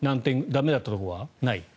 駄目だったところはない？